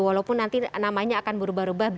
walaupun nanti namanya akan berubah ubah